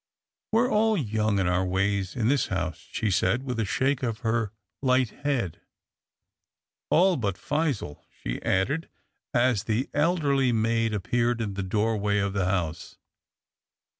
" We're all young in our ways in this house," she said, with a shake of her light head, " all but Phizelle," she added, as the elderly maid appeared in the doorway of the house.